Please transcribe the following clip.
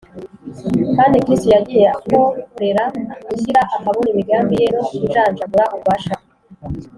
kandi Kristo yagiye akorera gushyira ahabona imigambi ye no kujanjagura ububasha bwe